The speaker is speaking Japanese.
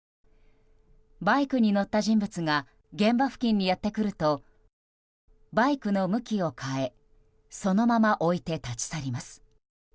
バイクに乗った人物が現場付近にやってくるとバイクの向きを変えそのまま置いて立ち去ります。